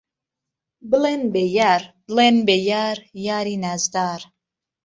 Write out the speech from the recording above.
بڵێن به یار، بڵێن به یار، یاری نازدار